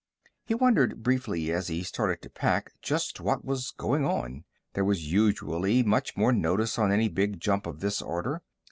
He wondered briefly as he started to pack just what was going on. There was usually much more notice on any big jump of this order.